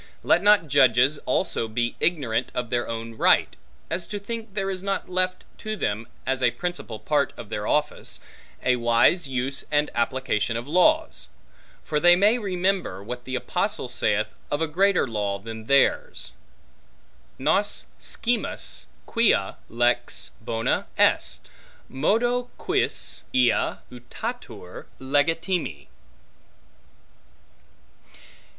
Let not judges also be ignorant of their own right, as to think there is not left to them, as a principal part of their office, a wise use and application of laws. For they may remember, what the apostle saith of a greater law than theirs; Nos scimus quia lex bona est, modo quis ea utatur legitime.